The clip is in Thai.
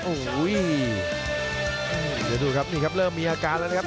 โอ้โหเดี๋ยวดูครับนี่ครับเริ่มมีอาการแล้วนะครับ